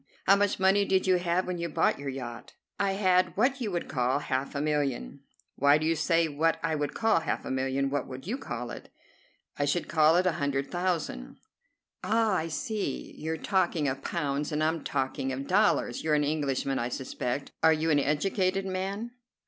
"How much money did you have when you bought your yacht?" "I had what you would call half a million." "Why do you say what I would call half a million? What would you call it?" "I should call it a hundred thousand." "Ah, I see. You're talking of pounds, and I'm talking of dollars. You're an Englishman, I suspect. Are you an educated man?"